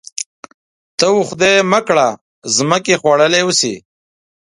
ته وا خدای مه کړه مځکې خوړلي اوسي.